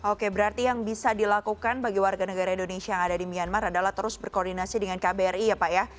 oke berarti yang bisa dilakukan bagi warga negara indonesia yang ada di myanmar adalah terus berkoordinasi dengan kbri ya pak ya